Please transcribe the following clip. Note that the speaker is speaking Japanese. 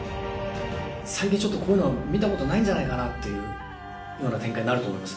最近ちょっとこういうのは見たことないんじゃないかなっていうような展開になると思います。